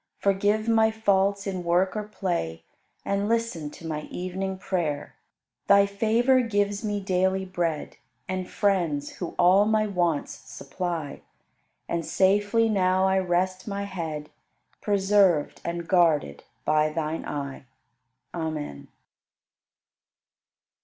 Forgive my faults in work or play And listen to my evening prayer. Thy favor gives me daily bread And friends, who all my wants supply: And safely now I rest my head, Preserved and guarded by Thine eye. Amen.